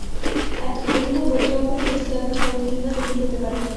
এগুলো গদ্য আকারে রচিত এবং সরল কিংবা জটিল হতে পারে।